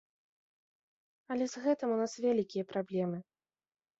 Але з гэтым у нас вялікія праблемы.